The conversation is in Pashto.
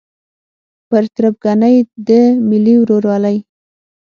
پر تربګنۍ د ملي ورورولۍ